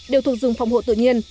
đều thuộc rừng phòng hộ tự nhiên